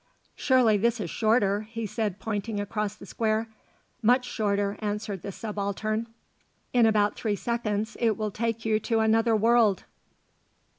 "Surely this is shorter," he said pointing across the square. "Much shorter," answered the Subaltern; "in about three seconds it will take you to another world."